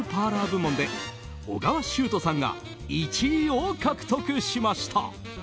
部門で緒川集人さんが１位を獲得しました。